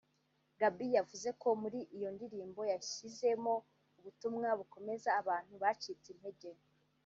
Gaby yavuze ko muri iyo ndirimbo yashyizemo ubutumwa bukomeza abantu bacitse intege